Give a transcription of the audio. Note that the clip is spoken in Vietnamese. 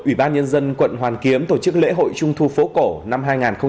ủy ban nhân dân quận hoàn kiếm tổ chức lễ hội trung thu phố cổ năm hai nghìn hai mươi